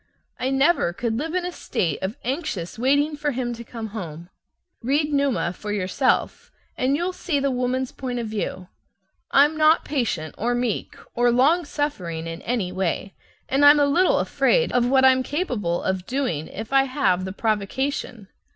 I never could live in a state of anxious waiting for him to come home. Read "Numa" for yourself, and you'll see the woman's point of view. I'm not patient or meek or long suffering in any way, and I'm a little afraid of what I'm capable of doing if I have the provocation.